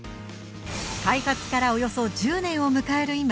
開発からおよそ１０年を迎える今